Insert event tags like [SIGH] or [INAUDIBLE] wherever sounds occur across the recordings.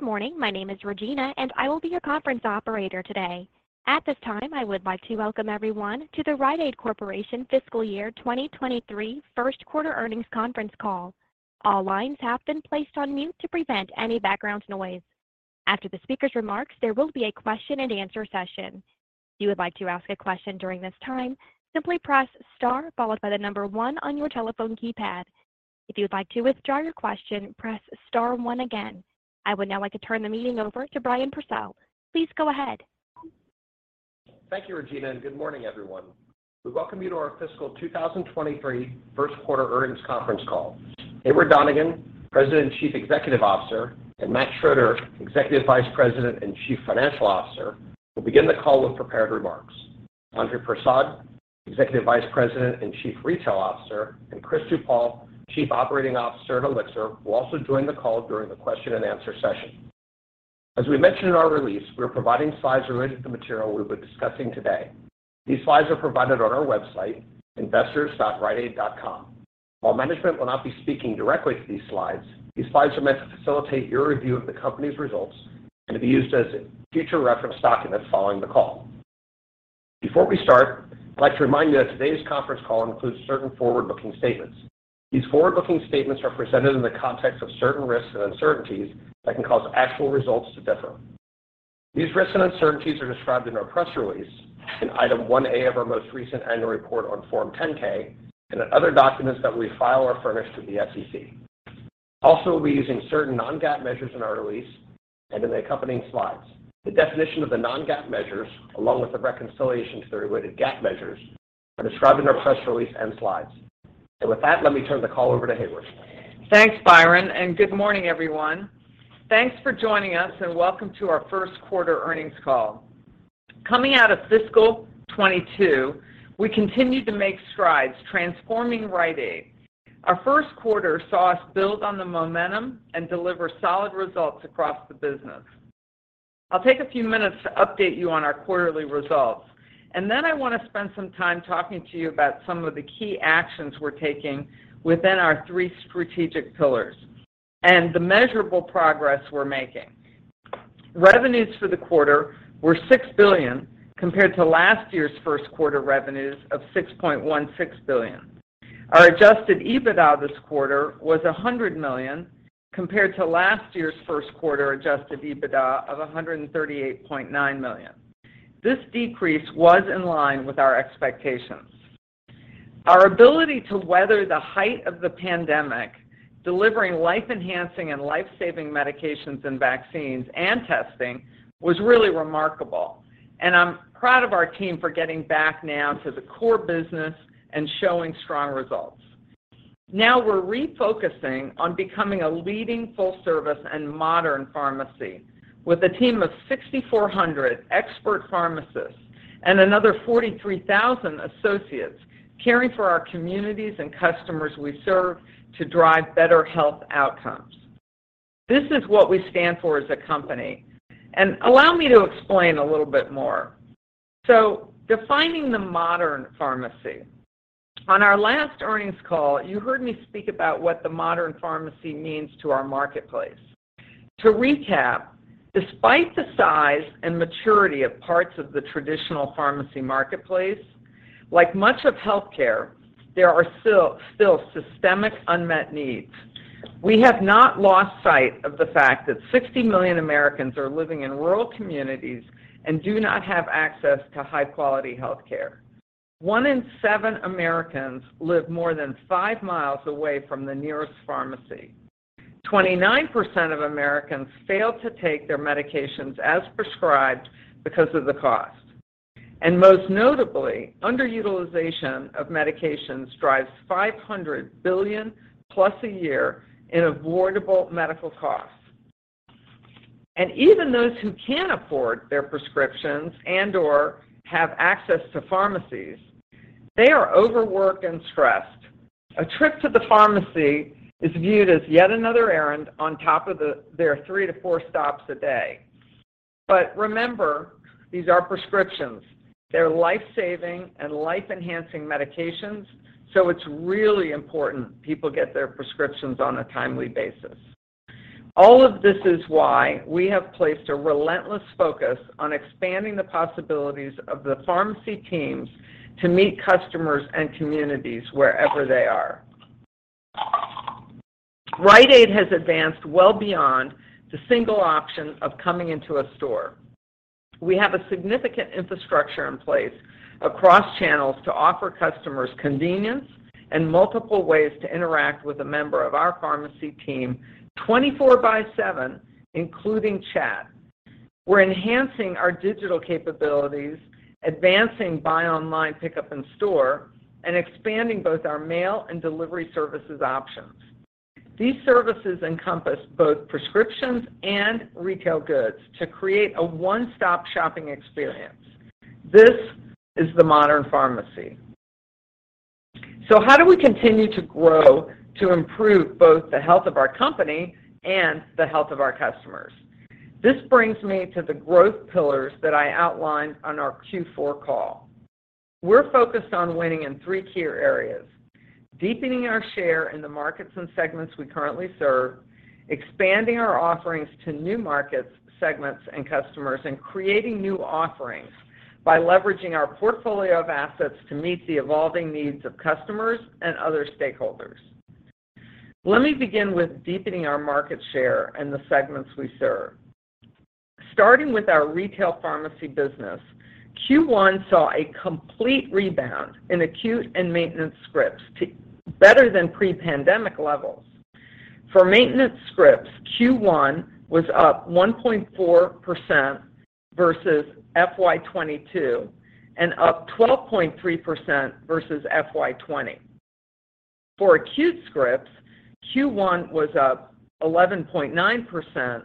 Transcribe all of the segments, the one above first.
Good morning. My name is Regina, and I will be your conference operator today. At this time, I would like to welcome everyone to the Rite Aid Corporation Fiscal Year 2023 Q1 Earnings conference call. All lines have been placed on mute to prevent any background noise. After the speaker's remarks, there will be a question-and-answer session. If you would like to ask a question during this time, simply press star followed by the number one on your telephone keypad. If you would like to withdraw your question, press star one again. I would now like to turn the meeting over to Byron Purcell. Please go ahead. Thank you, Regina, and good morning, everyone. We welcome you to our fiscal 2023 Q1 earnings conference call. Heyward Donigan, President and Chief Executive Officer, and Matt Schroeder, Executive Vice President and Chief Financial Officer, will begin the call with prepared remarks. Andre Persaud, Executive Vice President and Chief Retail Officer, and Chris DuPaul, Chief Operating Officer at Elixir, will also join the call during the question-and-answer session. As we mentioned in our release, we're providing slides related to the material we'll be discussing today. These slides are provided on our website, investors.riteaid.com. While management will not be speaking directly to these slides, these slides are meant to facilitate your review of the company's results and to be used as a future reference document following the call. Before we start, I'd like to remind you that today's conference call includes certain forward-looking statements. These forward-looking statements are presented in the context of certain risks and uncertainties that can cause actual results to differ. These risks and uncertainties are described in our press release in Item One-A of our most recent annual report on Form 10-K and in other documents that we file or furnish with the SEC. Also, we'll be using certain non-GAAP measures in our release and in the accompanying slides. The definition of the non-GAAP measures, along with the reconciliation to their related GAAP measures, are described in our press release and slides. With that, let me turn the call over to Heyward. Thanks Byron, and good morning, everyone. Thanks for joining us, and welcome to our Q1 earnings call. Coming out of fiscal 2022, we continued to make strides transforming Rite Aid. Our Q1 saw us build on the momentum and deliver solid results across the business. I'll take a few minutes to update you on our quarterly results, and then I want to spend some time talking to you about some of the key actions we're taking within our three strategic pillars and the measurable progress we're making. Revenues for the quarter were $6 billion, compared to last year's Q1 revenues of $6.16 billion. Our adjusted EBITDA this quarter was $100 million, compared to last year's Q1 adjusted EBITDA of $138.9 million. This decrease was in line with our expectations. Our ability to weather the height of the pandemic, delivering life-enhancing and life-saving medications and vaccines and testing, was really remarkable, and I'm proud of our team for getting back now to the core business and showing strong results. Now we're refocusing on becoming a leading full-service and modern pharmacy with a team of 6,400 expert pharmacists and another 43,000 associates caring for our communities and customers we serve to drive better health outcomes. This is what we stand for as a company. Allow me to explain a little bit more. Defining the modern pharmacy. On our last earnings call, you heard me speak about what the modern pharmacy means to our marketplace. To recap, despite the size and maturity of parts of the traditional pharmacy marketplace, like much of healthcare, there are still systemic unmet needs. We have not lost sight of the fact that 60 million Americans are living in rural communities and do not have access to high-quality healthcare. One in seven Americans live more than 5 miles away from the nearest pharmacy. 29% of Americans fail to take their medications as prescribed because of the cost. Most notably, underutilization of medications drives $500 billion+ a year in avoidable medical costs. Even those who can afford their prescriptions and/or have access to pharmacies, they are overworked and stressed. A trip to the pharmacy is viewed as yet another errand on top of their 3-4 stops a day. But remember, these are prescriptions. They're life-saving and life-enhancing medications, so it's really important people get their prescriptions on a timely basis. All of this is why we have placed a relentless focus on expanding the possibilities of the pharmacy teams to meet customers and communities wherever they are. Rite Aid has advanced well beyond the single option of coming into a store. We have a significant infrastructure in place across channels to offer customers convenience and multiple ways to interact with a member of our pharmacy team 24/7, including chat. We're enhancing our digital capabilities, advancing buy online, pickup in store, and expanding both our mail and delivery services options. These services encompass both prescriptions and retail goods to create a one-stop shopping experience. This is the modern pharmacy. How do we continue to grow to improve both the health of our company and the health of our customers? This brings me to the growth pillars that I outlined on our Q4 call. We're focused on winning in three key areas, deepening our share in the markets and segments we currently serve, expanding our offerings to new markets, segments, and customers, and creating new offerings by leveraging our portfolio of assets to meet the evolving needs of customers and other stakeholders. Let me begin with deepening our market share and the segments we serve. Starting with our retail pharmacy business, Q1 saw a complete rebound in acute and maintenance scripts to better than pre-pandemic levels. For maintenance scripts, Q1 was up 1.4% versus FY 2022 and up 12.3% versus FY 2020. For acute scripts, Q1 was up 11.9%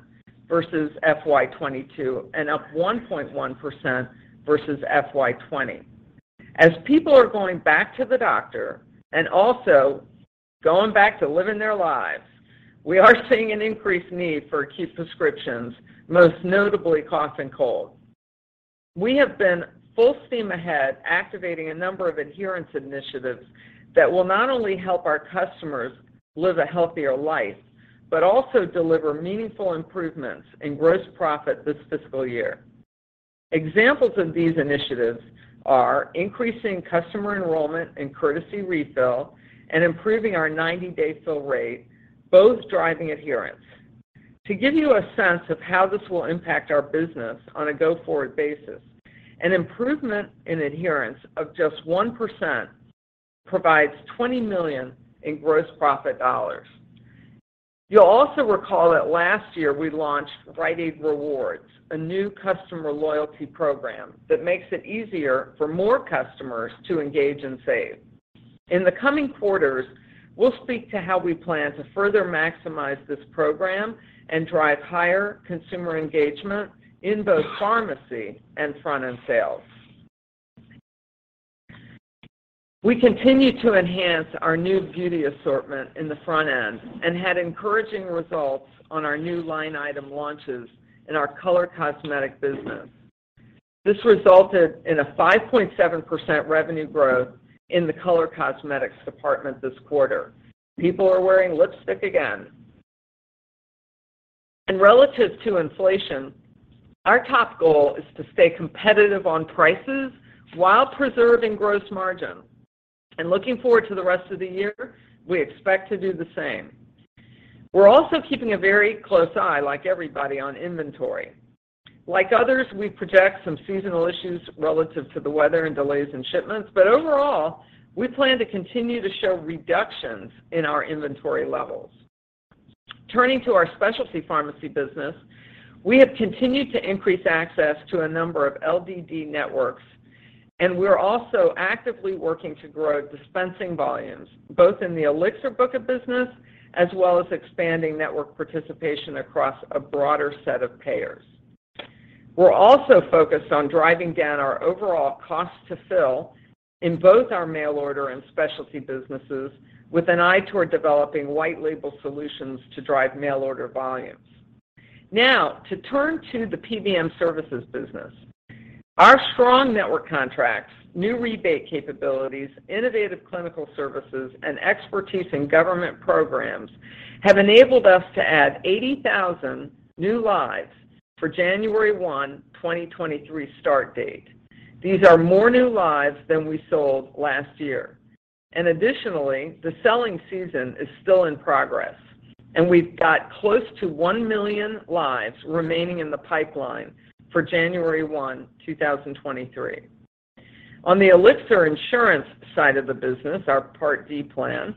versus FY 2022 and up 1.1% versus FY 2020. As people are going back to the doctor and also going back to living their lives, we are seeing an increased need for acute prescriptions, most notably cough and cold. We have been full steam ahead activating a number of adherence initiatives that will not only help our customers live a healthier life, but also deliver meaningful improvements in gross profit this fiscal year. Examples of these initiatives are increasing customer enrollment in courtesy refill and improving our 90-day fill rate, both driving adherence. To give you a sense of how this will impact our business on a go-forward basis, an improvement in adherence of just 1% provides $20 million in gross profit dollars. You'll also recall that last year we launched Rite Aid Rewards, a new customer loyalty program that makes it easier for more customers to engage and save. In the coming quarters, we'll speak to how we plan to further maximize this program and drive higher consumer engagement in both pharmacy and front-end sales. We continue to enhance our new beauty assortment in the front end and had encouraging results on our new line item launches in our color cosmetic business. This resulted in a 5.7% revenue growth in the color cosmetics department this quarter. People are wearing lipstick again. Relative to inflation, our top goal is to stay competitive on prices while preserving gross margin. Looking forward to the rest of the year, we expect to do the same. We're also keeping a very close eye, like everybody, on inventory. Like others, we project some seasonal issues relative to the weather and delays in shipments. Overall, we plan to continue to show reductions in our inventory levels. Turning to our specialty pharmacy business, we have continued to increase access to a number of LDD networks, and we're also actively working to grow dispensing volumes, both in the Elixir book of business as well as expanding network participation across a broader set of payers. We're also focused on driving down our overall cost to fill in both our mail order and specialty businesses with an eye toward developing white label solutions to drive mail order volumes. Now to turn to the PBM services business. Our strong network contracts, new rebate capabilities, innovative clinical services, and expertise in government programs have enabled us to add 80,000 new lives for January 1, 2023 start date. These are more new lives than we sold last year. Additionally, the selling season is still in progress. We've got close to 1 million lives remaining in the pipeline for January 1, 2023. On the Elixir Insurance side of the business, our Part D plan,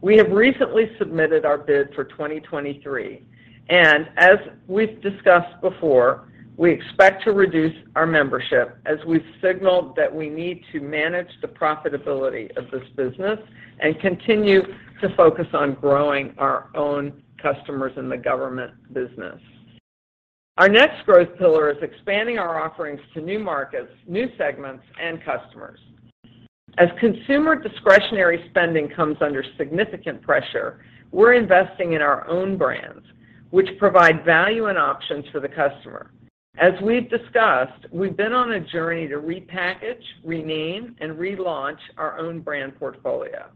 we have recently submitted our bid for 2023. As we've discussed before, we expect to reduce our membership as we've signaled that we need to manage the profitability of this business and continue to focus on growing our own customers in the government business. Our next growth pillar is expanding our offerings to new markets, new segments, and customers. As consumer discretionary spending comes under significant pressure, we're investing in our own brands, which provide value and options for the customer. As we've discussed, we've been on a journey to repackage, rename, and relaunch our own brand portfolio.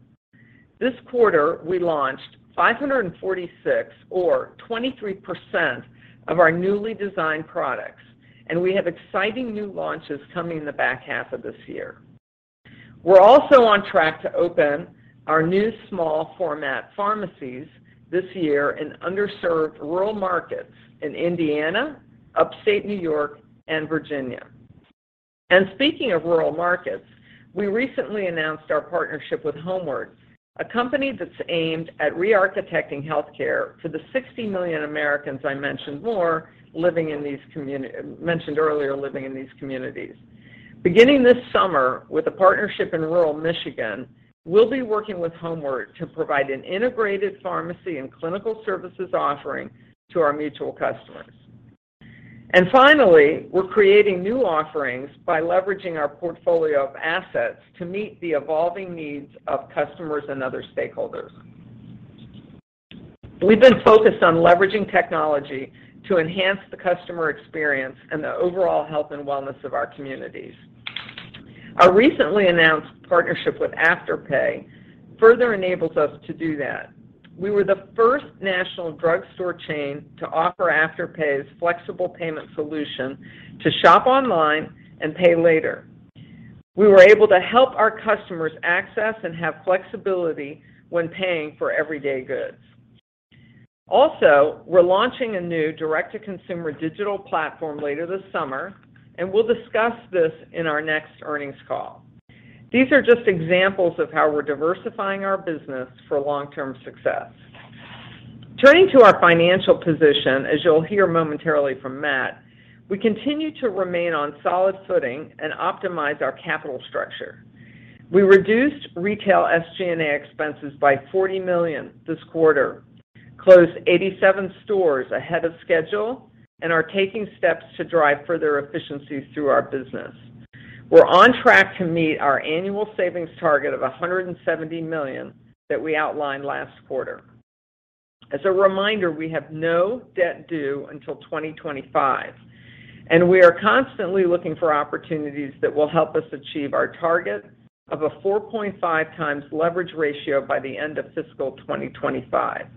This quarter, we launched 546 or 23% of our newly designed products, and we have exciting new launches coming in the back half of this year. We're also on track to open our new small format pharmacies this year in underserved rural markets in Indiana, Upstate New York, and Virginia. Speaking of rural markets, we recently announced our partnership with Homeward, a company that's aimed at re-architecting healthcare for the 60 million Americans I mentioned earlier living in these communities. Beginning this summer with a partnership in rural Michigan, we'll be working with Homeward to provide an integrated pharmacy and clinical services offering to our mutual customers. Finally, we're creating new offerings by leveraging our portfolio of assets to meet the evolving needs of customers and other stakeholders. We've been focused on leveraging technology to enhance the customer experience and the overall health and wellness of our communities. Our recently announced partnership with Afterpay further enables us to do that. We were the first national drugstore chain to offer Afterpay's flexible payment solution to shop online and pay later. We were able to help our customers access and have flexibility when paying for everyday goods. Also, we're launching a new direct-to-consumer digital platform later this summer, and we'll discuss this in our next earnings call. These are just examples of how we're diversifying our business for long-term success. Turning to our financial position, as you'll hear momentarily from Matt, we continue to remain on solid footing and optimize our capital structure. We reduced retail SG&A expenses by $40 million this quarter, closed 87 stores ahead of schedule, and are taking steps to drive further efficiencies through our business. We're on track to meet our annual savings target of $170 million that we outlined last quarter. As a reminder, we have no debt due until 2025, and we are constantly looking for opportunities that will help us achieve our target of a 4.5x leverage ratio by the end of fiscal 2025.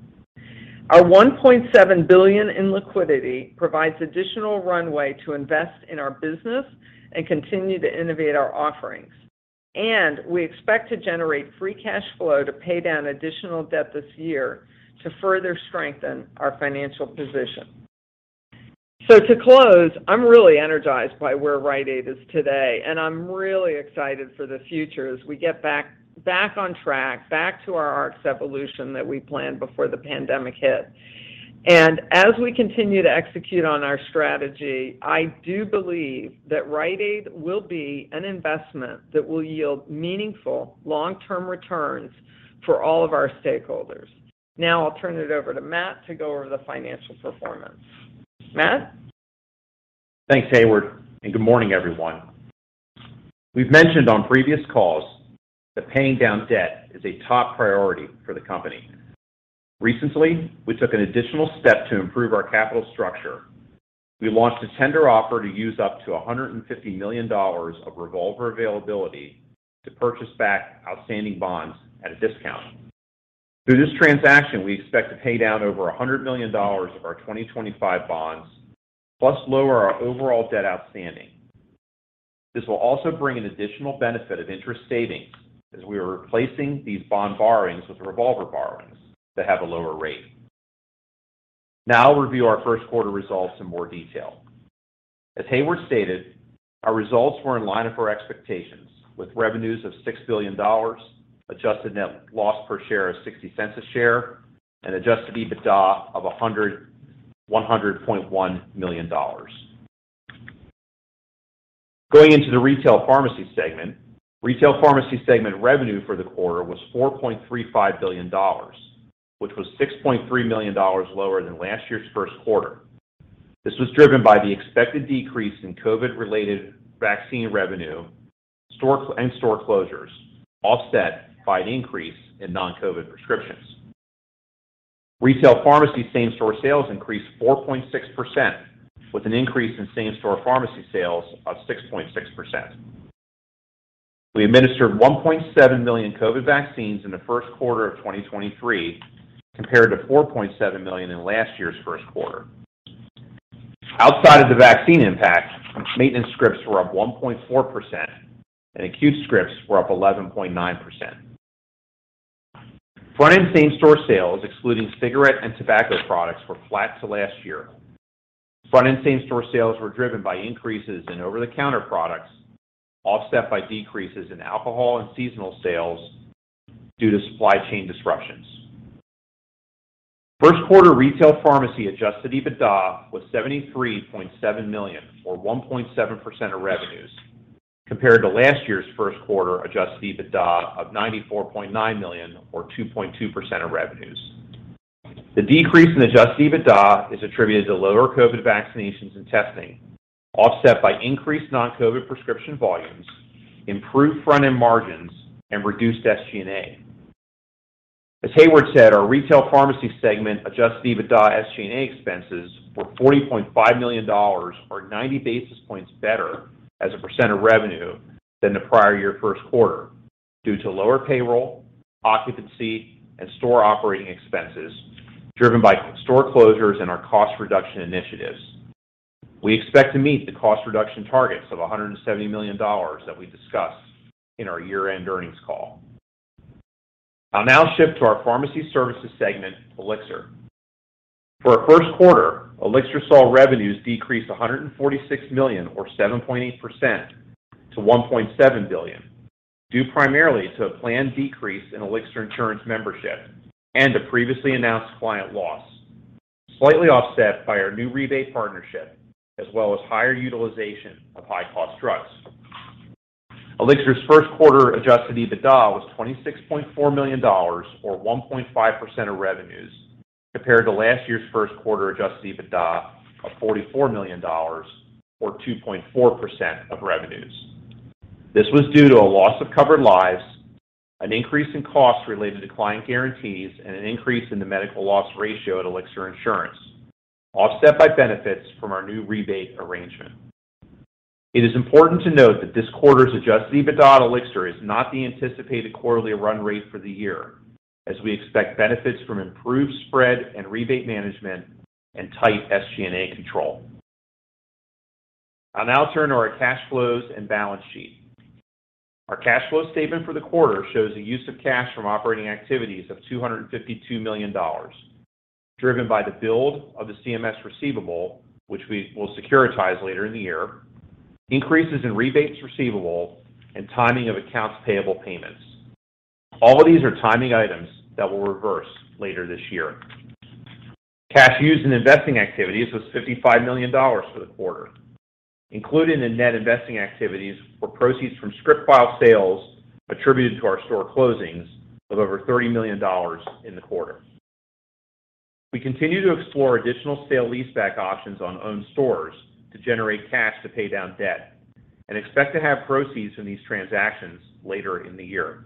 Our $1.7 billion in liquidity provides additional runway to invest in our business and continue to innovate our offerings. We expect to generate free cash flow to pay down additional debt this year to further strengthen our financial position. To close, I'm really energized by where Rite Aid is today, and I'm really excited for the future as we get back on track, back to our RxEvolution that we planned before the pandemic hit. As we continue to execute on our strategy, I do believe that Rite Aid will be an investment that will yield meaningful long-term returns for all of our stakeholders. Now I'll turn it over to Matt to go over the financial performance. Matt? Thanks, Heyward, and good morning, everyone. We've mentioned on previous calls that paying down debt is a top priority for the company. Recently, we took an additional step to improve our capital structure. We launched a tender offer to use up to $150 million of revolver availability to purchase back outstanding bonds at a discount. Through this transaction, we expect to pay down over $100 million of our 2025 bonds plus lower our overall debt outstanding. This will also bring an additional benefit of interest savings as we are replacing these bond borrowings with revolver borrowings that have a lower rate. Now I'll review our Q1 results in more detail. As Heyward stated, our results were in line with our expectations with revenues of $6 billion, adjusted net loss per share of $0.60 a share, and adjusted EBITDA of $100.1 million. Going into the retail pharmacy segment, retail pharmacy segment revenue for the quarter was $4.35 billion, which was $6.3 million lower than last year's Q1. This was driven by the expected decrease in COVID-related vaccine revenue and store closures, offset by an increase in non-COVID prescriptions. Retail pharmacy same-store sales increased 4.6%, with an increase in same-store pharmacy sales of 6.6%. We administered 1.7 million COVID vaccines in the Q1 of 2023, compared to 4.7 million in last year's Q1. Outside of the vaccine impact, maintenance scripts were up 1.4% and acute scripts were up 11.9%. Front-end same-store sales, excluding cigarette and tobacco products, were flat to last year. Front-end same-store sales were driven by increases in over-the-counter products, offset by decreases in alcohol and seasonal sales due to supply chain disruptions. Q1 retail pharmacy adjusted EBITDA was $73.7 million, or 1.7% of revenues, compared to last year's Q1 adjusted EBITDA of $94.9 million, or 2.2% of revenues. The decrease in adjusted EBITDA is attributed to lower COVID vaccinations and testing, offset by increased non-COVID prescription volumes, improved front-end margins, and reduced SG&A. As Heyward said, our retail pharmacy segment adjusted EBITDA SG&A expenses were $40.5 million or 90 basis points better as a percent of revenue than the prior-year Q1 due to lower payroll, occupancy, and store operating expenses driven by store closures and our cost reduction initiatives. We expect to meet the cost reduction targets of $170 million that we discussed in our year-end earnings call. I'll now shift to our pharmacy services segment, Elixir. For our Q1, Elixir saw revenues decrease $146 million or 7.8% to $1.7 billion, due primarily to a planned decrease in Elixir Insurance membership and a previously announced client loss, slightly offset by our new rebate partnership as well as higher utilization of high-cost drugs. Elixir's Q1 adjusted EBITDA was $26.4 million or 1.5% of revenues compared to last year's Q1 adjusted EBITDA of $44 million or 2.4% of revenues. This was due to a loss of covered lives, an increase in costs related to client guarantees, and an increase in the medical loss ratio at Elixir Insurance, offset by benefits from our new rebate arrangement. It is important to note that this quarter's adjusted EBITDA at Elixir is not the anticipated quarterly run rate for the year, as we expect benefits from improved spread and rebate management and tight SG&A control. I'll now turn to our cash flows and balance sheet. Our cash flow statement for the quarter shows a use of cash from operating activities of $252 million, driven by the build of the CMS receivable, which we will securitize later in the year, increases in rebates receivable, and timing of accounts payable payments. All of these are timing items that will reverse later this year. Cash used in investing activities was $55 million for the quarter, including the net investing activities for proceeds from script file sales attributed to our store closings of over $30 million in the quarter. We continue to explore additional sale leaseback options on owned stores to generate cash to pay down debt and expect to have proceeds from these transactions later in the year.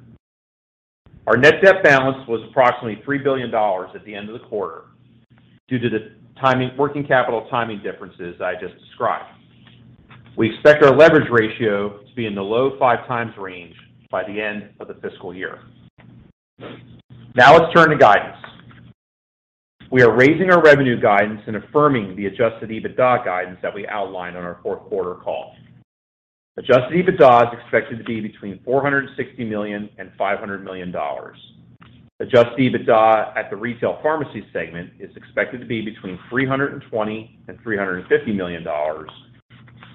Our net debt balance was approximately $3 billion at the end-of-the-quarter due to the timing, working capital timing differences I just described. We expect our leverage ratio to be in the low 5x range by the end of the fiscal year. Now let's turn to guidance. We are raising our revenue guidance and affirming the adjusted EBITDA guidance that we outlined on our Q4 call. Adjusted EBITDA is expected to be between $460 million and $500 million. Adjusted EBITDA at the Retail Pharmacy segment is expected to be between $320 million and $350 million,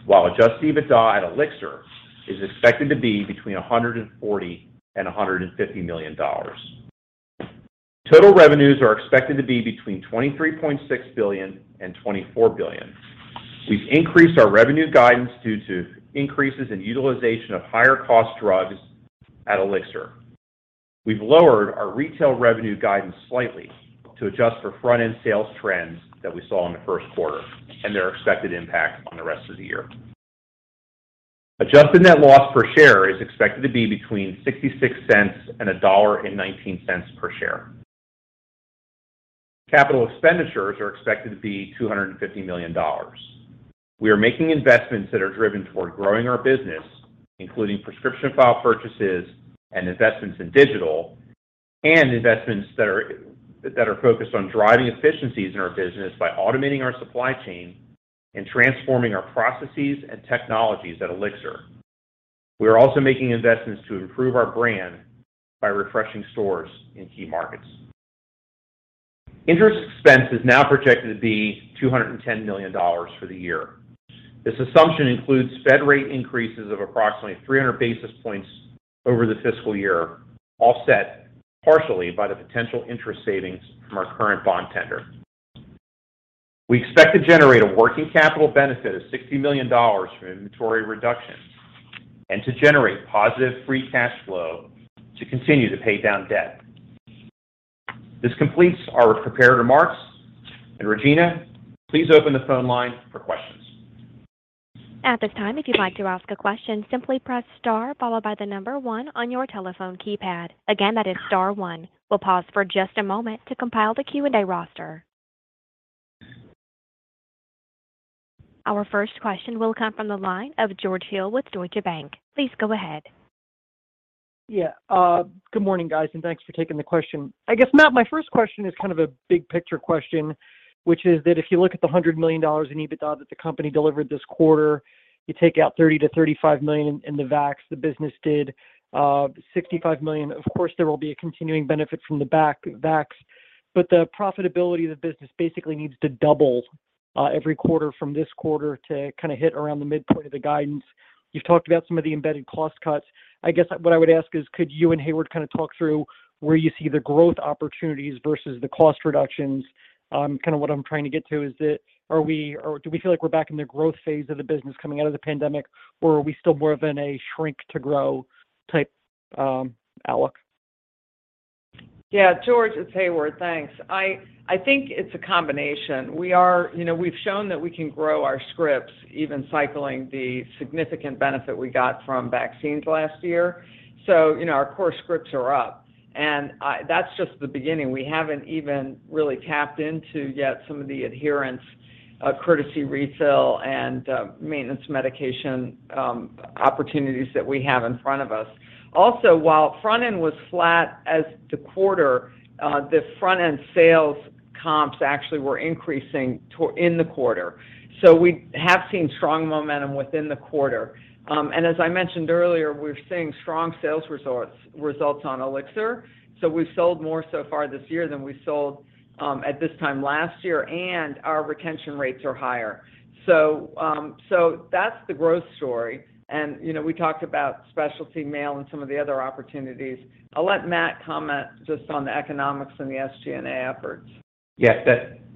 while adjusted EBITDA at Elixir is expected to be between $140 million and $150 million. Total revenues are expected to be between $23.6 billion and $24 billion. We've increased our revenue guidance due to increases in utilization of higher cost drugs at Elixir. We've lowered our retail revenue guidance slightly to adjust for front-end sales trends that we saw in the Q1 and their expected impact on the rest of the year. Adjusted net loss per share is expected to be between $0.66 and $1.19 per share. Capital expenditures are expected to be $250 million. We are making investments that are driven toward growing our business, including prescription file purchases and investments in digital, and investments that are focused on driving efficiencies in our business by automating our supply chain and transforming our processes and technologies at Elixir. We are also making investments to improve our brand by refreshing stores in key markets. Interest expense is now projected to be $210 million for the year. This assumption includes Fed rate increases of approximately 300 basis points over the fiscal year, offset partially by the potential interest savings from our current bond tender. We expect to generate a working capital benefit of $60 million from inventory reductions, and to generate positive free cash flow to continue to pay down debt. This completes our prepared remarks. Regina, please open the phone line for questions. At this time, if you'd like to ask a question, simply press star followed by the number one on your telephone keypad. Again, that is star one. We'll pause for just a moment to compile the Q&A roster. Our first question will come from the line of George Hill with Deutsche Bank. Please go ahead. Good morning, guys, and thanks for taking the question. I guess, Matt, my first question is kind of a big picture question, which is that if you look at the $100 million in EBITDA that the company delivered this quarter, you take out $30-$35 million in the vax, the business did $65 million. Of course, there will be a continuing benefit from the vax, but the profitability of the business basically needs to double every quarter from this quarter to kind of hit around the midpoint of the guidance. You've talked about some of the embedded cost cuts. I guess what I would ask is, could you and Heyward kind of talk through where you see the growth opportunities versus the cost reductions? Kind of what I'm trying to get to is that are we or do we feel like we're back in the growth phase of the business coming out of the pandemic, or are we still more of in a shrink to grow type, alloc? Yeah. George, it's Heyward. Thanks. I think it's a combination. We are, you know, we've shown that we can grow our scripts even cycling the significant benefit we got from vaccines last year. You know, our core scripts are up, and that's just the beginning. We haven't even really tapped into yet some of the adherence, courtesy refill, and maintenance medication opportunities that we have in front of us. Also, while front end was flat in the quarter, the front-end sales comps actually were increasing in the quarter. We have seen strong momentum within the quarter. And as I mentioned earlier, we're seeing strong sales results on Elixir. We've sold more so far this year than we sold at this time last year, and our retention rates are higher. That's the growth story. You know, we talked about specialty mail and some of the other opportunities. I'll let Matt comment just on the economics and the SG&A efforts. Yes.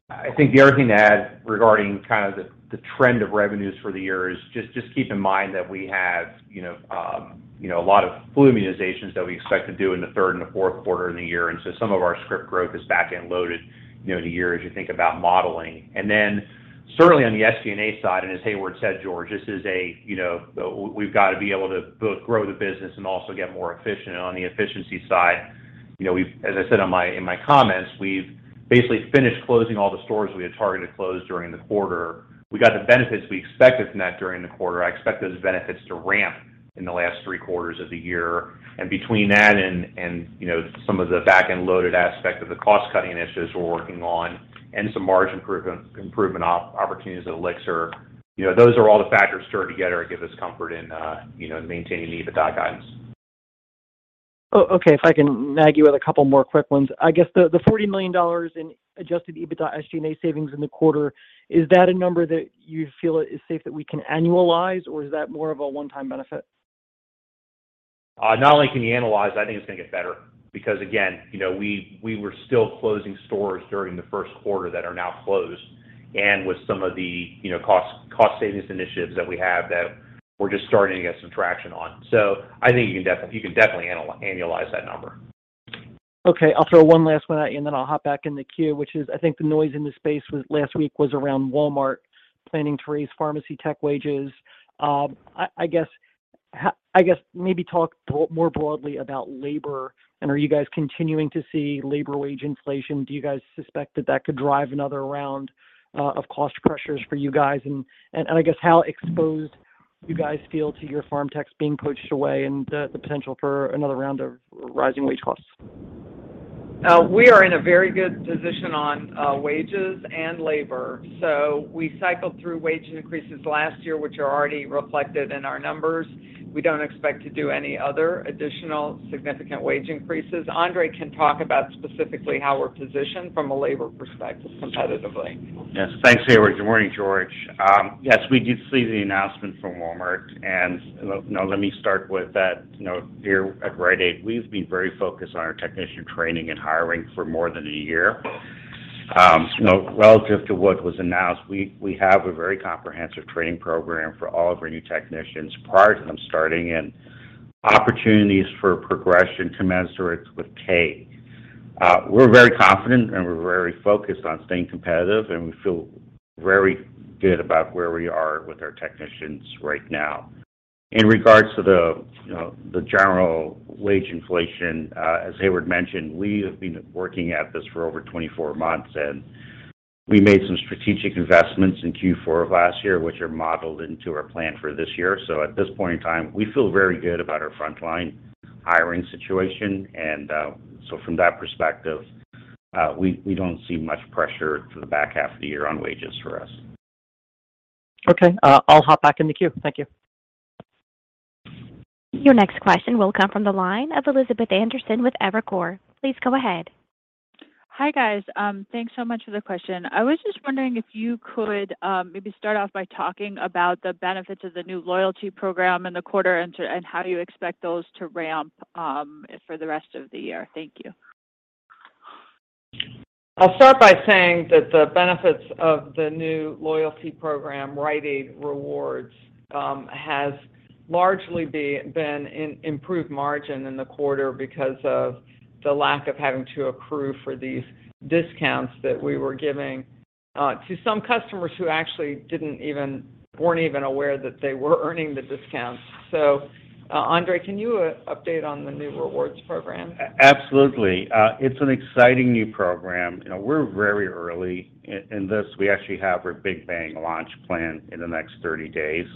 I think the only thing to add regarding kind of the trend of revenues for the year is just keep in mind that we have, you know, a lot of flu immunizations that we expect to do in the third and the fourth quarter of the year, and so some of our script growth is back-end loaded, you know, in the year as you think about modeling. Then certainly on the SG&A side, and as Hayward said, George, this is a, you know, we've got to be able to both grow the business and also get more efficient. On the efficiency side, you know, as I said in my comments, we've basically finished closing all the stores we had targeted to close during the quarter. We got the benefits we expected from that during the quarter. I expect those benefits to ramp in the last three quarters-of-the-year. Between that and you know some of the back-end loaded aspect of the cost-cutting initiatives we're working on and some margin improvement opportunities at Elixir, you know, those are all the factors stirred together that give us comfort in you know maintaining the EBITDA guidance. Okay. If I can nag you with a couple more quick ones. I guess the $40 million in adjusted EBITDA SG&A savings in the quarter, is that a number that you feel is safe that we can annualize, or is that more of a one-time benefit? Not only can you annualize, I think it's gonna get better. Because again, you know, we were still closing stores during the Q1 that are now closed and with some of the, you know, cost savings initiatives that we have that we're just starting to get some traction on. I think you can definitely annualize that number. Okay. I'll throw one last one at you, and then I'll hop back in the queue, which is, I think the noise in this space last week was around Walmart planning to raise pharmacy tech wages. I guess maybe talk more broadly about labor, and are you guys continuing to see labor wage inflation? Do you guys suspect that that could drive another round of cost pressures for you guys? And I guess how exposed you guys feel to your pharm techs being poached away and the potential for another round of rising wage costs? We are in a very good position on wages and labor. We cycled through wage increases last year, which are already reflected in our numbers. We don't expect to do any other additional significant wage increases. Andre can talk about specifically how we're positioned from a labor perspective competitively. Yes. Thanks, Heyward. Good morning, George. Yes, we did see the announcement from Walmart. You know, let me start with that. You know, here at Rite Aid, we've been very focused on our technician training and hiring for more than a year. You know, relative to what was announced, we have a very comprehensive training program for all of our new technicians prior to them starting, and opportunities for progression commensurate with pay. We're very confident and we're very focused on staying competitive, and we feel very good about where we are with our technicians right now. In regards to the, you know, the general wage inflation, as Heyward mentioned, we have been working at this for over 24 months, and we made some strategic investments in Q4 of last year, which are modeled into our plan for this year. At this point in time, we feel very good about our frontline hiring situation. From that perspective, we don't see much pressure for the back half of the year on wages for us. Okay. I'll hop back in the queue. Thank you. Your next question will come from the line of Elizabeth Anderson with Evercore. Please go ahead. Hi, guys. Thanks so much for the question. I was just wondering if you could, maybe start off by talking about the benefits of the new loyalty program in the quarter and how you expect those to ramp, for the rest of the year. Thank you. I'll start by saying that the benefits of the new loyalty program, Rite Aid Rewards, has largely been in improved margin in the quarter because of the lack of having to accrue for these discounts that we were giving to some customers who actually weren't even aware that they were earning the discounts. Andre, can you update on the new rewards program? Absolutely. It's an exciting new program. You know, we're very early in this. We actually have our big bang launch planned in the next 30 days.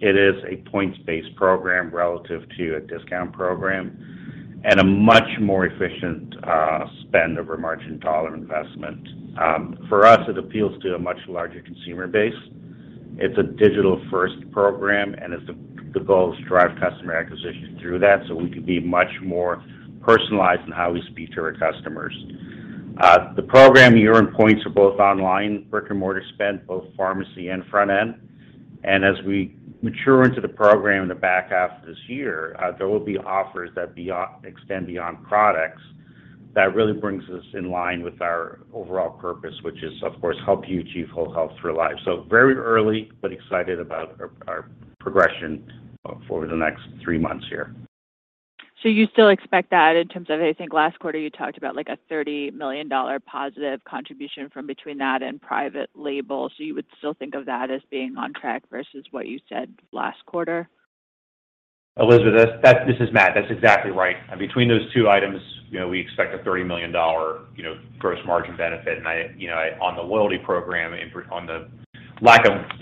It is a points-based program relative to a discount program and a much more efficient spend of our margin dollar investment. For us, it appeals to a much larger consumer base. It's a digital-first program, and the goal is to drive customer acquisition through that, so we can be much more personalized in how we speak to our customers. The program, you earn points for both online brick-and-mortar spend, both pharmacy and front end. As we mature into the program in the back half of this year, there will be offers that extend beyond products that really brings us in line with our overall purpose, which is, of course, help you achieve whole health for life. Very early, but excited about our progression for the next three months here. You still expect that in terms of, I think last quarter, you talked about, like, a $30 million positive contribution from between that and private label. You would still think of that as being on track versus what you said last quarter? Elizabeth, this is Matt. That's exactly right. Between those two items, you know, we expect a $30 million gross margin benefit. You know, on the loyalty program, on the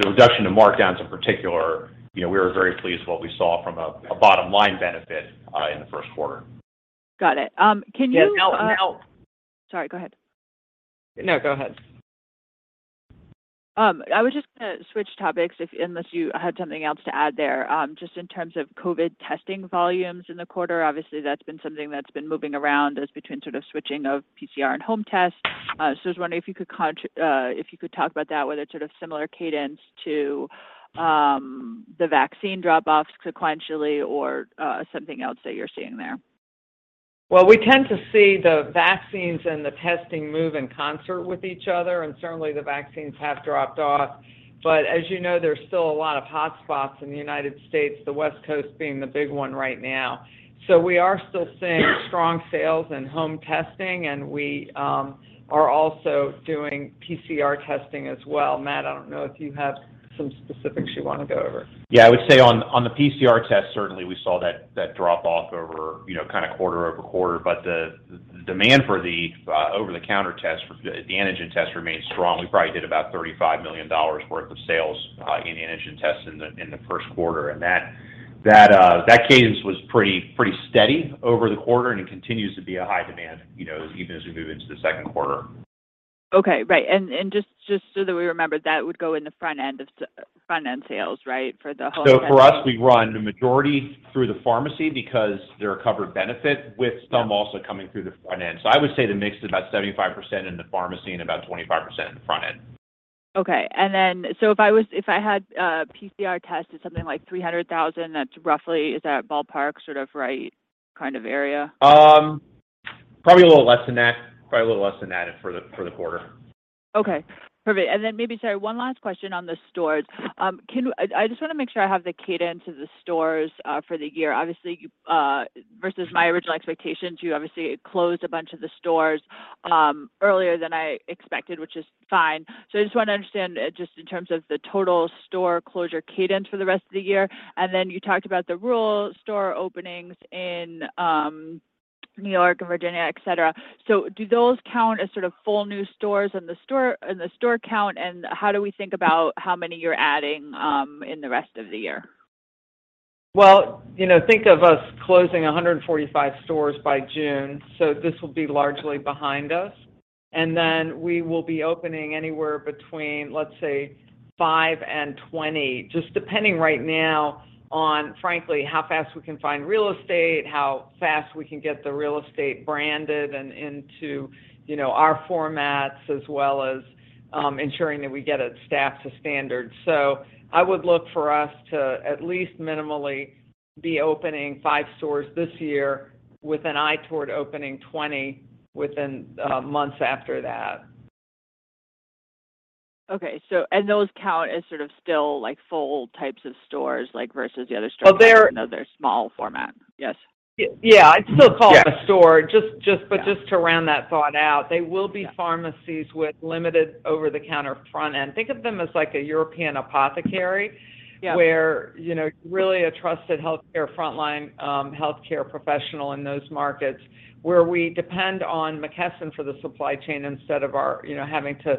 reduction of markdowns in particular, you know, we were very pleased with what we saw from a bottom line benefit in the Q1. Got it. [CROSSTALK] Yes, I'll. Sorry, go ahead. No, go ahead. I was just gonna switch topics unless you had something else to add there. Just in terms of COVID testing volumes in the quarter. Obviously, that's been something that's been moving around as between sort of switching of PCR and home tests. I was wondering if you could talk about that, whether it's sort of similar cadence to the vaccine drop-offs sequentially or something else that you're seeing there. Well, we tend to see the vaccines and the testing move in concert with each other, and certainly, the vaccines have dropped off. As you know, there's still a lot of hotspots in the United States, the West Coast being the big one right now. We are still seeing strong sales in home testing, and we are also doing PCR testing as well. Matt, I don't know if you have some specifics you wanna go over. Yeah. I would say on the PCR test, certainly we saw that drop off over, you know, kind of quarter-over-quarter. But the demand for the over-the-counter test, for the antigen test remains strong. We probably did about $35 million worth of sales in antigen tests in the Q1. That cadence was pretty steady over the quarter, and it continues to be a high demand, you know, even as we move into the Q2. Okay. Right. Just so that we remember, that would go in the front end of front-end sales, right, for the home testing? For us, we run the majority through the pharmacy because they're a covered benefit... with some also coming through the front end. I would say the mix is about 75% in the pharmacy and about 25% in the front end. Okay. If I had PCR tested something like 300,000, that's roughly. Is that ballpark sort of right kind of area? Probably a little less than that for the quarter. Okay. Perfect. Maybe, sorry, one last question on the stores. I just want to make sure I have the cadence of the stores for the year. Obviously, versus my original expectations, you obviously closed a bunch of the stores earlier than I expected, which is fine. I just want to understand just in terms of the total store closure cadence for the rest of the year. You talked about the rural store openings in New York and Virginia, et cetera. Do those count as sort of full new stores in the store, in the store count, and how do we think about how many you're adding in the rest of the year? Well, you know, think of us closing 145 stores by June, so this will be largely behind us. Then we will be opening anywhere between, let's say, 5 and 20, just depending right now on, frankly, how fast we can find real estate, how fast we can get the real estate branded and into, you know, our formats, as well as ensuring that we get it staffed to standard. I would look for us to at least minimally be opening 5 stores this year with an eye toward opening 20 within months after that. Okay. Those count as sort of still, like, full types of stores, like, versus the other stores. Well. even though they're small format. Yes. Yeah. I'd still call it a store. Just to round that thought out, they will be. Yeah pharmacies with limited over-the-counter front end. Think of them as like a European apothecary. Yeah where, you know, really a trusted healthcare front line healthcare professional in those markets, where we depend on McKesson for the supply chain instead of our, you know, having to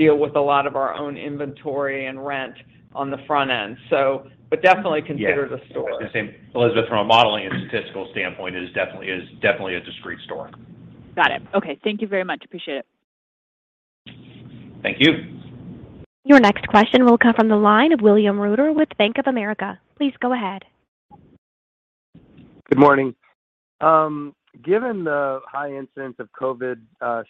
deal with a lot of our own inventory and rent on the front end. So but definitely consider it a store. Yeah. I was gonna say, Elizabeth, from a modeling and statistical standpoint, it is definitely a discrete store. Got it. Okay. Thank you very much. Appreciate it. Thank you. Your next question will come from the line of William Reuter with Bank of America. Please go ahead. Good morning. Given the high incidence of COVID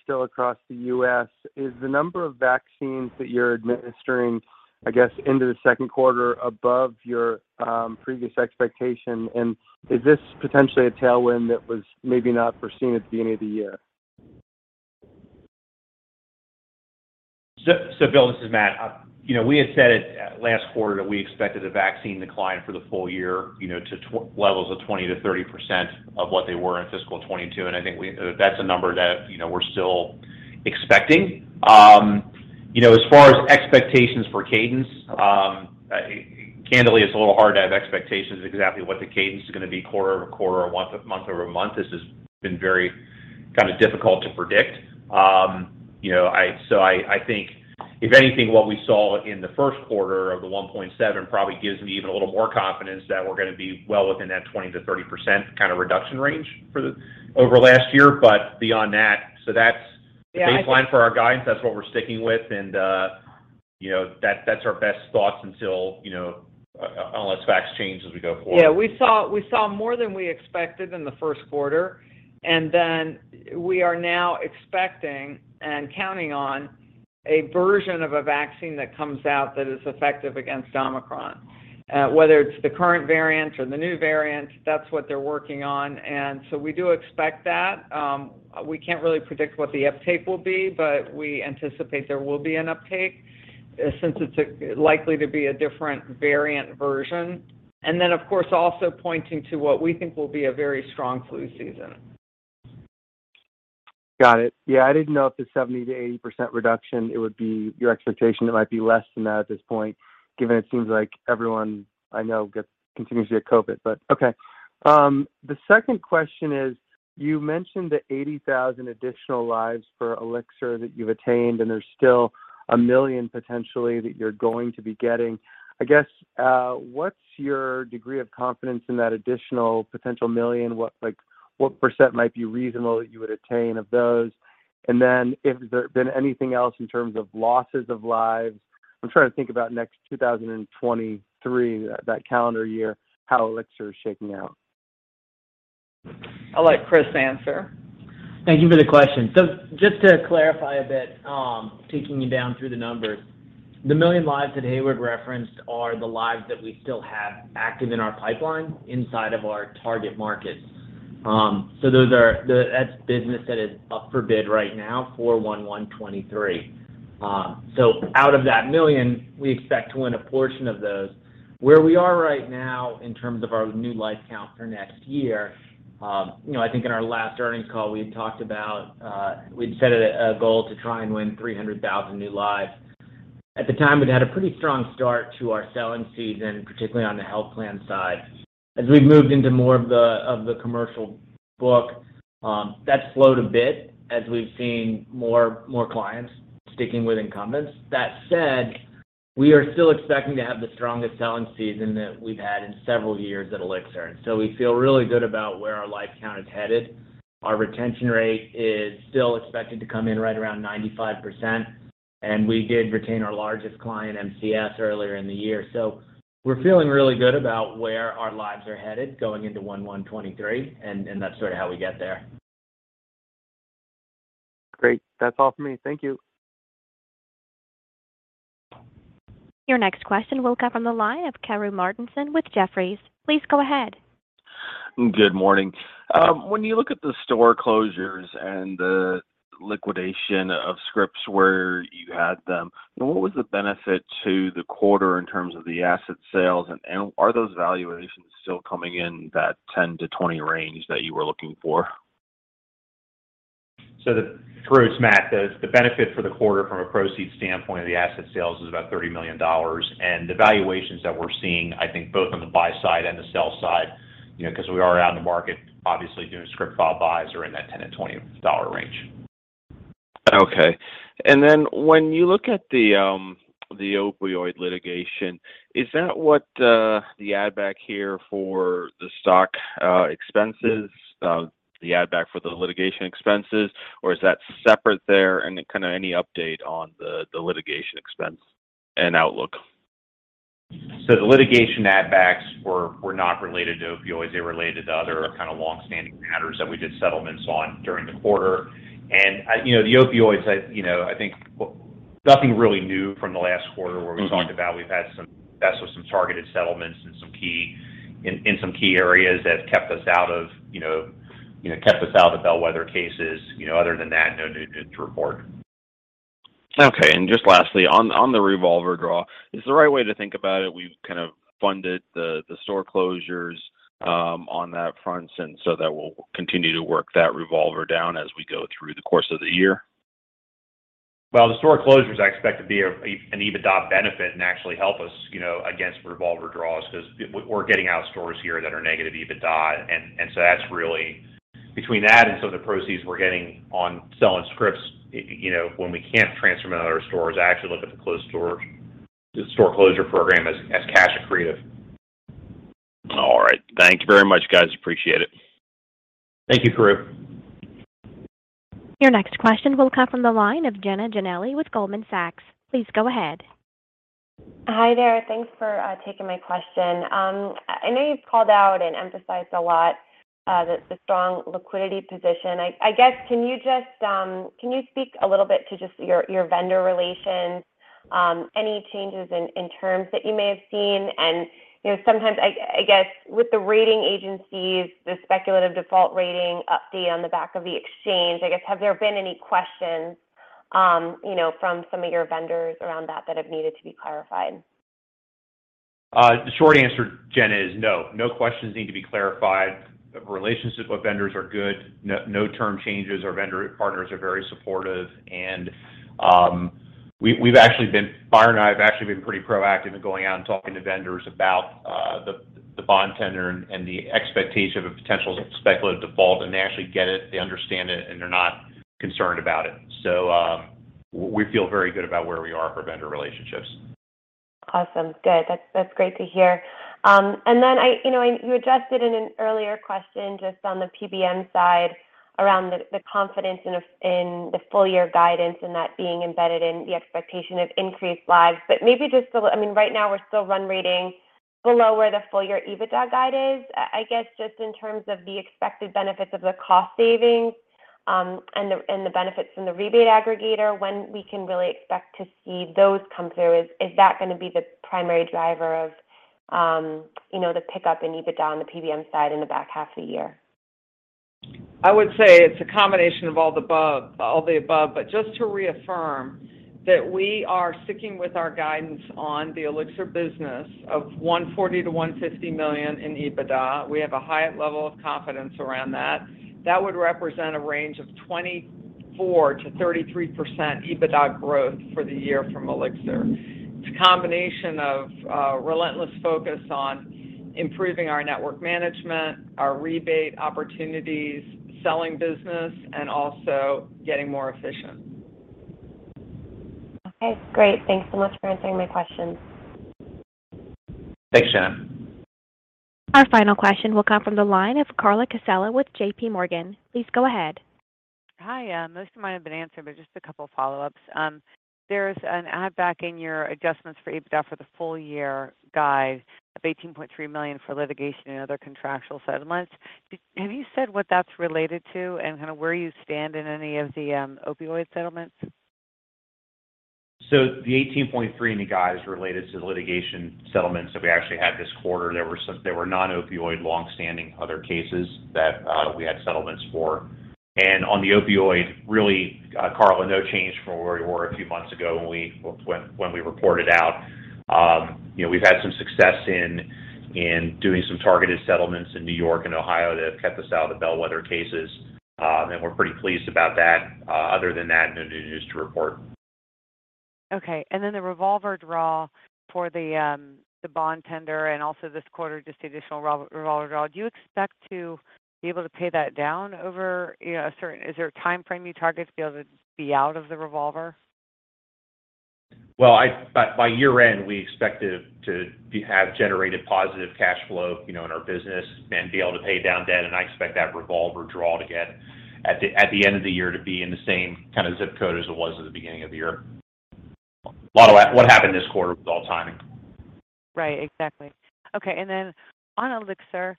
still across the U.S., is the number of vaccines that you're administering, I guess, into the Q2 above your previous expectation, and is this potentially a tailwind that was maybe not foreseen at the beginning of the year? Bill, this is Matt. You know, we had said at last quarter that we expected a vaccine decline for the full year, you know, to levels of 20%-30% of what they were in fiscal 2022, and I think that's a number that, you know, we're still expecting. You know, as far as expectations for cadence, candidly, it's a little hard to have expectations exactly what the cadence is gonna be quarter-over-quarter or month-over-month. This has been very kind of difficult to predict. You know, I think if anything, what we saw in the Q1 of the 1.7 probably gives me even a little more confidence that we're gonna be well within that 20%-30% kind of reduction range over last year. Beyond that. Yeah, I think. The baseline for our guidance. That's what we're sticking with, and, you know, that's our best thoughts until, you know, unless facts change as we go forward. Yeah. We saw more than we expected in the Q1, and then we are now expecting and counting on a version of a vaccine that comes out that is effective against Omicron. Whether it's the current variant or the new variant, that's what they're working on. We do expect that. We can't really predict what the uptake will be, but we anticipate there will be an uptake, since it's likely to be a different variant version. Of course, also pointing to what we think will be a very strong flu season. Got it. Yeah, I didn't know if the 70%-80% reduction, it would be your expectation. It might be less than that at this point, given it seems like everyone I know gets, continues to get COVID, but okay. The second question is, you mentioned the 80,000 additional lives for Elixir that you've attained, and there's still 1 million potentially that you're going to be getting. I guess, what's your degree of confidence in that additional potential million? What, like, what % might be reasonable that you would attain of those? And then if there's been anything else in terms of losses of lives. I'm trying to think about next 2023, that calendar year, how Elixir is shaking out. I'll let Chris answer. Thank you for the question. Just to clarify a bit, taking you down through the numbers, the 1 million lives that Heyward referenced are the lives that we still have active in our pipeline inside of our target markets. Those are the business that is up for bid right now for 1/1/2023. Out of that 1 million, we expect to win a portion of those. Where we are right now in terms of our new life count for next year, I think in our last earnings call, we had talked about we'd set a goal to try and win 300,000 new lives. At the time, we'd had a pretty strong start to our selling season, particularly on the health plan side. As we've moved into more of the commercial book, that slowed a bit as we've seen more clients sticking with incumbents. That said, we are still expecting to have the strongest selling season that we've had in several years at Elixir. We feel really good about where our lives count is headed. Our retention rate is still expected to come in right around 95%, and we did retain our largest client, MCS, earlier in the year. We're feeling really good about where our lives are headed going into Q1 2023, and that's sort of how we get there. Great. That's all for me. Thank you. Your next question will come from the line of Karru Martinson with Jefferies. Please go ahead. Good morning. When you look at the store closures and the liquidation of scripts where you had them, what was the benefit to the quarter in terms of the asset sales? Are those valuations still coming in that 10-20 range that you were looking for? Karru, it's Matt. The benefit for the quarter from a proceeds standpoint of the asset sales is about $30 million. The valuations that we're seeing, I think both on the buy side and the sell side, you know, 'cause we are out in the market obviously doing script buybacks, are in that $10-$20 range. Okay. When you look at the opioid litigation, is that what the add back here for the stock expense is? The add back for the litigation expenses, or is that separate there? Kind of any update on the litigation expense and outlook. The litigation add backs were not related to opioids. They're related to other kind of long-standing matters that we did settlements on during the quarter. You know, the opioids had, you know, I think nothing really new from the last quarter where we talked about we've had some success with some targeted settlements in some key areas that kept us out of, you know, the bellwether cases. You know, other than that, no new news to report. Okay. Just lastly, on the revolver draw, is the right way to think about it we've kind of funded the store closures, on that front, and so that we'll continue to work that revolver down as we go through the course of the year? Well, the store closures I expect to be an EBITDA benefit and actually help us, you know, against revolver draws 'cause we're getting out stores here that are negative EBITDA. So that's really between that and some of the proceeds we're getting on selling scripts, you know, when we can't transfer them into other stores, I actually look at the closed stores, the store closure program as cash accretive. All right. Thank you very much, guys. Appreciate it. Thank you, Karru. Your next question will come from the line of Jenna Giannelli with Goldman Sachs. Please go ahead. Hi there. Thanks for taking my question. I know you've called out and emphasized a lot the strong liquidity position. I guess, can you just speak a little bit to just your vendor relations, any changes in terms that you may have seen? You know, sometimes I guess with the rating agencies, the speculative default rating update on the back of the exchange, I guess, have there been any questions, you know, from some of your vendors around that that have needed to be clarified? The short answer, Jenna, is no. No questions need to be clarified. The relationships with vendors are good. No, no term changes. Our vendor partners are very supportive. Byron and I have actually been pretty proactive in going out and talking to vendors about the bond tender and the expectation of a potential speculative default, and they actually get it, they understand it, and they're not concerned about it. We feel very good about where we are for vendor relationships. Awesome. Good. That's great to hear. You know, you addressed it in an earlier question just on the PBM side around the confidence in the full year guidance and that being embedded in the expectation of increased lives. Maybe just a little. I mean, right now we're still run rating below where the full year EBITDA guide is. I guess just in terms of the expected benefits of the cost savings, and the benefits from the rebate aggregator, when we can really expect to see those come through. Is that gonna be the primary driver of, you know, the pickup in EBITDA on the PBM side in the back half of the year? I would say it's a combination of all the above. Just to reaffirm that we are sticking with our guidance on the Elixir business of $140 million-$150 million in EBITDA. We have a high level of confidence around that. That would represent a range of 24%-33% EBITDA growth for the year from Elixir. It's a combination of relentless focus on improving our network management, our rebate opportunities, selling business, and also getting more efficient. Okay, great. Thanks so much for answering my questions. Thanks, Jenna. Our final question will come from the line of Carla Casella with J.P. Morgan. Please go ahead. Hi. Most of mine have been answered, just a couple follow-ups. There's an add back in your adjustments for EBITDA for the full-year guide of $18.3 million for litigation and other contractual settlements. Have you said what that's related to and kinda where you stand in any of the opioid settlements? The $18.3 in the guide is related to the litigation settlements that we actually had this quarter. There were some non-opioid, long-standing other cases that we had settlements for. On the opioid, really, Carla, no change from where we were a few months ago when we reported out. You know, we've had some success in doing some targeted settlements in New York and Ohio that have kept us out of the bellwether cases. We're pretty pleased about that. Other than that, no new news to report. Okay. Then the revolver draw for the bond tender and also this quarter, just the additional revolver draw. Is there a timeframe you target to be able to be out of the revolver? Well, by year-end, we expect to have generated positive cash flow, you know, in our business and be able to pay down debt. I expect that revolver draw to be at the end of the year to be in the same kind of zip code as it was at the beginning of the year. A lot of what happened this quarter was all timing. Right. Exactly. Okay. On Elixir,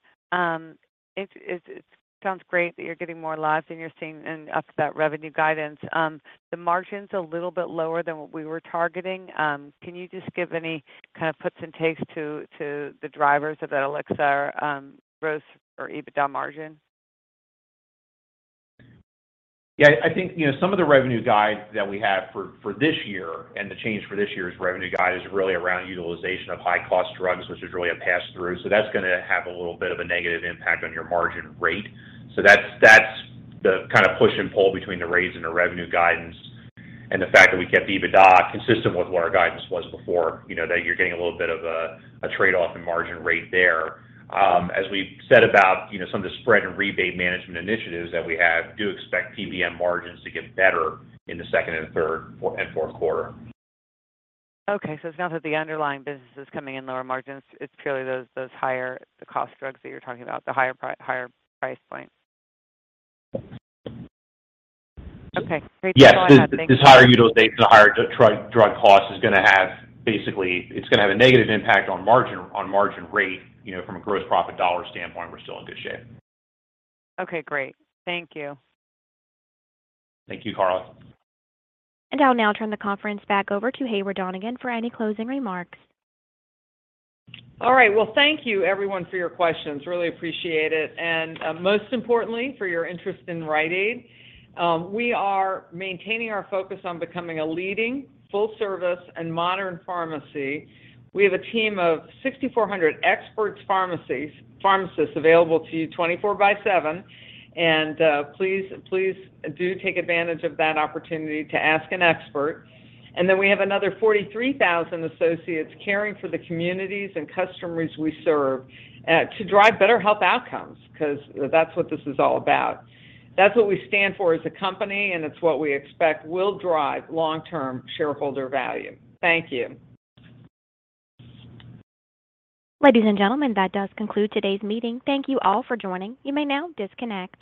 it sounds great that you're getting more lives and you're seeing up to that revenue guidance. The margin's a little bit lower than what we were targeting. Can you just give any kind of puts and takes to the drivers of that Elixir growth or EBITDA margin? Yeah, I think, you know, some of the revenue guide that we have for this year and the change for this year's revenue guide is really around utilization of high-cost drugs, which is really a pass-through. So that's gonna have a little bit of a negative impact on your margin rate. So that's the kind of push and pull between the raise and the revenue guidance and the fact that we kept EBITDA consistent with what our guidance was before. You know, that you're getting a little bit of a trade-off in margin rate there. As we've said about, you know, some of the spread and rebate management initiatives that we have, do expect PBM margins to get better in the second and third and fourth quarter. Okay. It's not that the underlying business is coming in lower margins, it's purely those higher-cost drugs that you're talking about, the higher price point. Okay. Great. Go ahead. Thank you. Yes. This higher utilization, the higher drug cost is gonna have basically, it's gonna have a negative impact on margin, on margin rate. You know, from a gross profit dollar standpoint, we're still in good shape. Okay, great. Thank you. Thank you, Carla. I'll now turn the conference back over to Heyward Donigan for any closing remarks. All right. Well, thank you everyone for your questions. Really appreciate it, and most importantly, for your interest in Rite Aid. We are maintaining our focus on becoming a leading full service and modern pharmacy. We have a team of 6,400 pharmacists available to you 24/7. Please do take advantage of that opportunity to ask an expert. We have another 43,000 associates caring for the communities and customers we serve to drive better health outcomes, 'cause that's what this is all about. That's what we stand for as a company, and it's what we expect will drive long-term shareholder value. Thank you. Ladies and gentlemen, that does conclude today's meeting. Thank you all for joining. You may now disconnect.